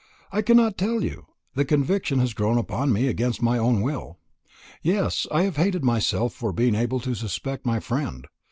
"I cannot tell you. The conviction has grown upon me, against my own will. Yes, I have hated myself for being able to suspect my friend.